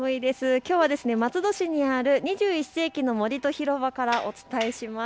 きょうは松戸市にある２１世紀の森と広場からお伝えします。